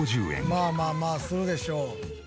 まあまあまあするでしょう。